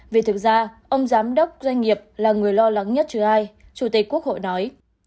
vì thực ra ông giám đốc doanh nghiệp là người lo lắng nhất chứ ai chủ tịch quốc hội nói